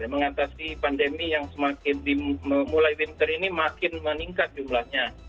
mengatasi pandemi yang semakin memulai winter ini makin meningkat jumlahnya